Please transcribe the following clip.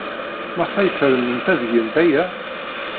Maɣef ay fernent ad gent aya?